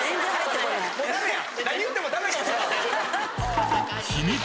もうダメや。